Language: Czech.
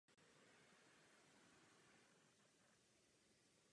Škola se pod jeho vedením zdárně rozvíjela.